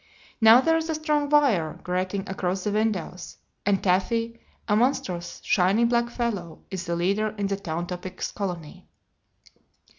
Now there is a strong wire grating across the windows, and Taffy, a monstrous, shiny black fellow, is the leader in the "Town Topics Colony."